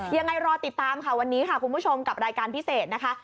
ยังไงรอติดตามค่ะวันนี้ค่ะคุณผู้ชมกับรายการพิเศษนะคะ